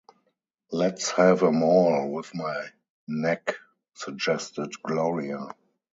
"Let's have 'em all with my neck," suggested Gloria.